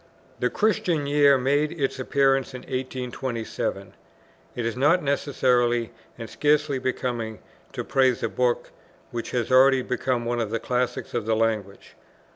The Christian Year made its appearance in 1827. It is not necessary, and scarcely becoming, to praise a book which has already become one of the classics of the language.